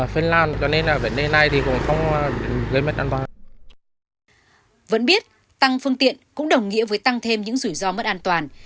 vẫn biết tăng phương tiện cũng đồng nghĩa với tăng thêm những rủi ro mất an toàn